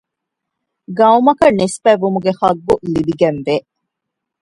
ޤައުމަކަށް ނިސްބަތް ވުމުގެ ޙައްޤު ލިބިގެންވޭ